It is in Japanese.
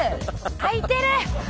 開いてる！